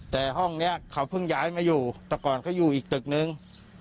แต่ห้องนี้เขาเพิ่งย้ายมาอยู่แต่ก่อนเขาอยู่อีกตึกนึง